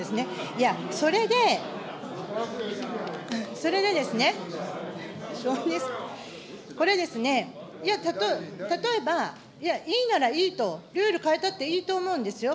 いや、それで、それでですね、これですね、例えば、いいならいいと、ルール変えたっていいと思うんですよ。